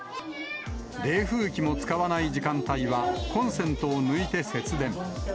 冷風機も使わない時間帯は、コンセントを抜いて節電。